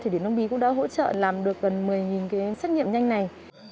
chỉ nông bí cũng đã hỗ trợ làm được gần một mươi cái xét nghiệm nhanh này